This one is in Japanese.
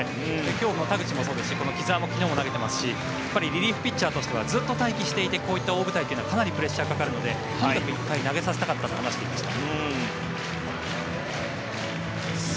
昨日、田口もそうですし木澤も昨日も投げてますしリリーフピッチャーとしてはずっと待機していて大舞台というのはプレッシャーがかかるのでとにかく１回投げさせたかったと話していました。